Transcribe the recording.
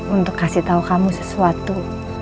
untuk kasih tahu kamu sesuatu